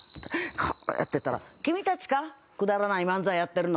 こうやってたら「君たちか？くだらない漫才やってるの」。